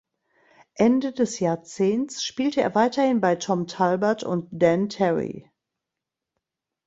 Ende des Jahrzehnts spielte er weiterhin bei Tom Talbert und Dan Terry.